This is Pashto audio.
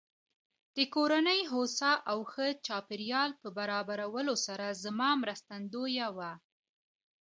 د کورنۍ هوسا او ښه چاپېريال په برابرولو سره زما مرستندويه وه.